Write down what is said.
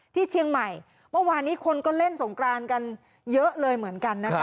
ที่เชียงใหม่เมื่อวานนี้คนก็เล่นสงกรานกันเยอะเลยเหมือนกันนะคะ